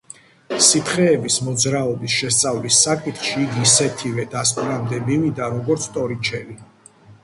სითხეების მოძრაობის შესწავლის საკითხში იგი ისეთივე დასკვნამდე მივიდა, როგორც ტორიჩელი.